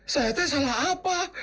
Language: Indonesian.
saya teteh salah apa